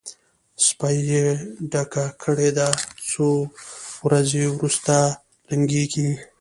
سپۍ یې ډکه کړې ده؛ څو ورځې روسته لنګېږي.